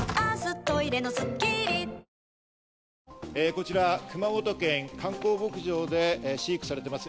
こちら熊本県観光牧場で飼育されてます